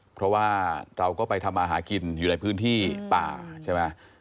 เราก็ไปทำมาหากินอยู่ในพื้นที่ป่าใช่ไหม